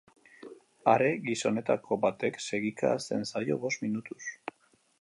Are, gizonetako batek segika hasten zaio bost minutuz.